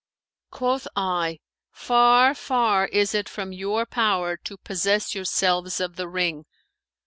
Quoth I, 'Far, far is it from your power to possess yourselves of the ring!'